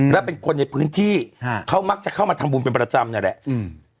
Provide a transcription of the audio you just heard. และเป็นคนในพื้นที่ฮะเขามักจะเข้ามาทำบุญเป็นประจำนั่นแหละอืม